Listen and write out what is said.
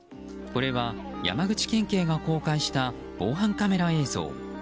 これは山口県警が公開した防犯カメラ映像。